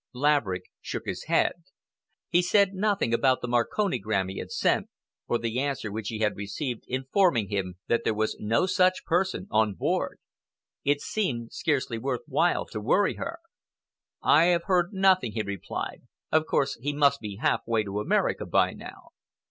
Laverick shook his head. He said nothing about the marconigram he had sent, or the answer which he had received informing him that there was no such person on board. It seemed scarcely worth while to worry her. "I have heard nothing," he replied. "Of course, he must be half way to America by now."